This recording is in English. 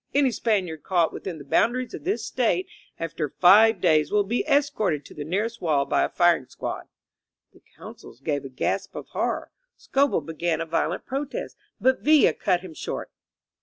Any Spaniard caught within the boundaries of this State after five days will be escorted to the nearest wall by a £ring squad." The consuls gave a gasp of horror. Scobell began a violent protest, but Villa cut him short.